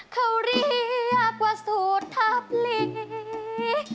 เขาเรียกว่าสูตรทัพลิง